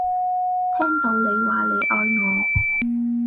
聽到你話你愛我